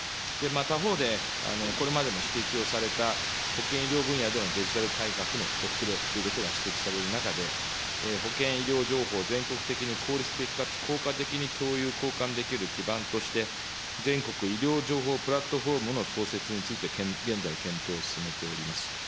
他方で、これまでも指摘をされた、保健医療分野でのデジタル改革の遅れということが指摘される中で、保健医療情報を全国的に効率的かつ効果的に共有、交換できる基盤として、全国医療情報プラットフォームの創設について、現在検討進めております。